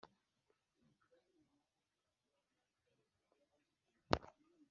bivuguruzanya gikemuke Urugero ni nk iki kibazo gikunda kugaruka kenshi ngo ni hehe Kayini